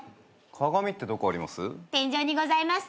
鏡ってどこあります？